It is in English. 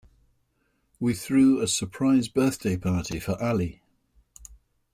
We threw a surprise birthday party for Ali.